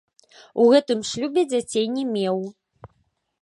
У гэтым шлюбе дзяцей не меў.